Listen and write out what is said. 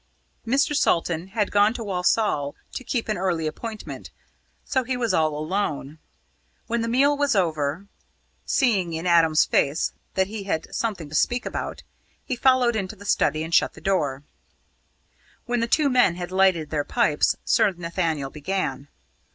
Mr. Salton had gone to Walsall to keep an early appointment; so he was all alone. When the meal was over seeing in Adam's face that he had something to speak about he followed into the study and shut the door. When the two men had lighted their pipes, Sir Nathaniel began.